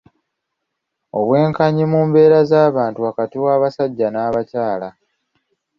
Obwenkanyi mu mbeera z'abantu wakati w'abasajja n'abakyala.